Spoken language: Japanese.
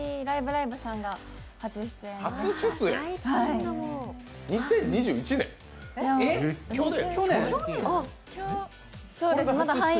ライブ！」さんが初出演です。